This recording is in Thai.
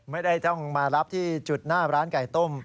ไม่ได้ต้องมารับที่จุดหน้าร้านไก่ต้ม